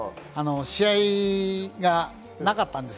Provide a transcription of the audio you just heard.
試合がなかったんです。